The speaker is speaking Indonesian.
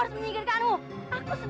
dewi sarpalitri memanggilmu